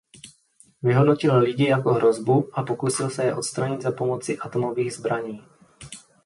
Vyhodnotil lidi jako hrozbu a pokusil se je odstranit za pomoci atomových zbraní.